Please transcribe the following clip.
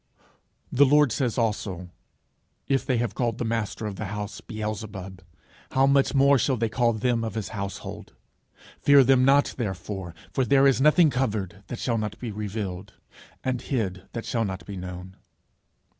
The Lord says also, 'If they have called the master of the house Beelzebub, how much more shall they call them of his household! Fear them not therefore: for there is nothing covered, that shall not be revealed; and hid, that shall not be known.'